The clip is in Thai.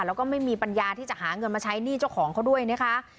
แล้วก็ไม่มีปัญญาที่จะหาเงินมาใช้หนี้เจ้าของเขาด้วยนะคะ